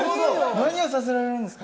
何をさせられるんですか。